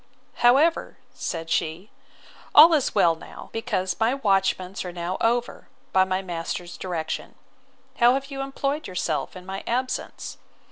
—However, said she, all is well now; because my watchments are now over, by my master's direction. How have you employed yourself in my absence?